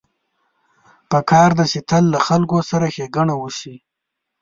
پکار ده چې تل له خلکو سره ښېګڼه وشي